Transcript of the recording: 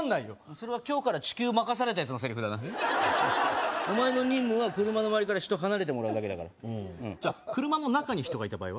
それは今日から地球を任された奴のセリフだなお前の任務は車の周りから人離れてもらうだけだから車の中に人がいた場合は？